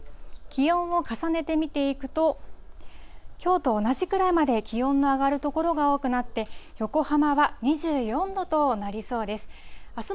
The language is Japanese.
気温を重ねて見ていくと、きょうと同じぐらいまで気温が上がる所が多くなって、横浜は２４度となりそうです。